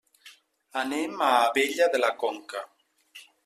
Anem a Abella de la Conca.